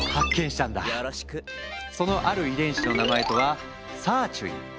そのある遺伝子の名前とはサーチュイン。